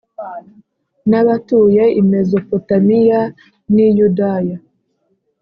n abatuye i Mezopotamiya n i Yudaya